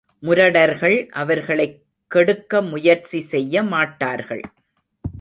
முரடர்கள் அவர்களைக் கெடுக்க முயற்சி செய்ய மாட்டார்கள்.